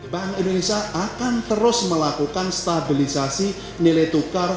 bank indonesia akan terus melakukan stabilisasi nilai tukar